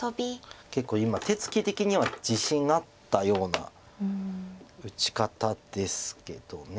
結構今手つき的には自信があったような打ち方ですけど。